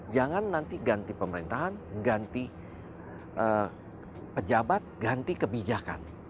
jangan nanti ganti pemerintahan ganti pejabat ganti kebijakan